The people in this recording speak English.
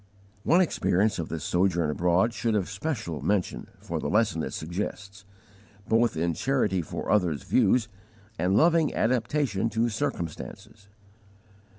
One experience of this sojourn abroad should have special mention for the lesson it suggests, both in charity for others' views and loving adaptation to circumstances.